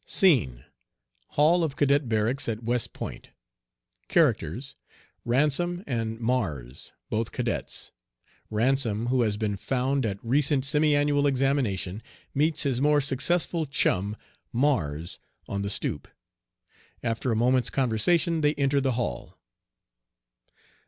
SCENE. Hall of Cadet Barracks at West Point. Characters: RANSOM and MARS, both Cadets. RANSOM, who has been "found" at recent semiannual examination, meets his more successful chum, MARS, on the stoop. After a moment's conversation, they enter the hall.